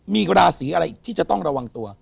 มีราศีอะไรอีกที่จะต้องระวังตัว